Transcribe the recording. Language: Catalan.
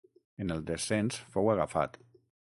En el descens fou agafat.